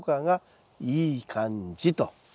いい感じ。